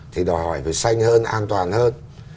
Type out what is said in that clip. thì đòi hỏi về sanh hơn an toàn hơn